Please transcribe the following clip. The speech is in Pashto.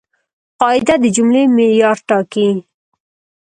قاعده د جملې معیار ټاکي.